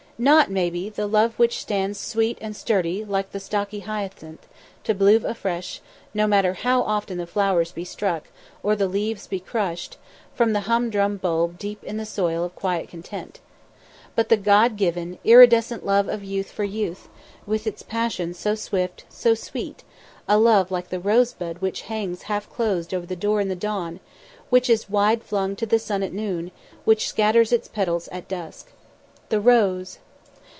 Not, maybe, the love which stands sweet and sturdy like the stocky hyacinth, to bloom afresh, no matter how often the flowers be struck, or the leaves be bruised, from the humdrum bulb deep in the soil of quiet content. But the God given, iridescent love of youth for youth, with its passion so swift, so sweet; a love like the rose bud which hangs half closed over the door in the dawn; which is wide flung to the sun at noon; which scatters its petals at dusk. The rose!